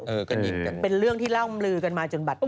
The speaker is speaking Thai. เออกระดิบเป็นเรื่องที่เล่าลือกันมาจนบัตรนึง